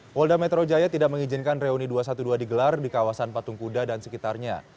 polda metro jaya tidak mengizinkan reuni dua ratus dua belas digelar di kawasan patung kuda dan sekitarnya